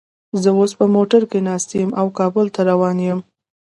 زه اوس په موټر کې ناست یم او کابل ته روان یم